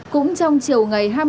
cũng trong chiều ngày hai mươi tám